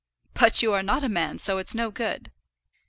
"But you are not a man; so it's no good."